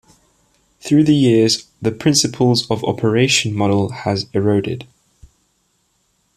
Through the years the Principles of Operation model has eroded.